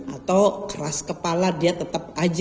atau keras kepala dia tetap aja